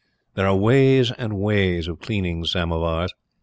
"There are ways and ways of cleaning samovars.